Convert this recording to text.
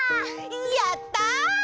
やった！